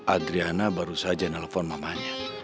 adriana baru saja nelfon mamanya